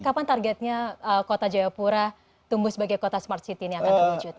kapan targetnya kota jayapura tumbuh sebagai kota smart city ini akan terwujud